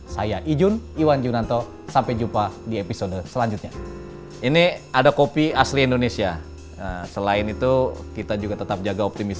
saya ijun iwan junanto sampai jumpa di episode selanjutnya